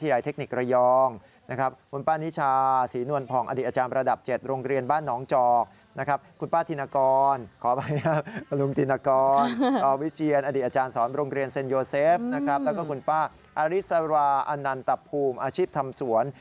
แล้วออริศราอนันตะภูมิอาชีพทำสวน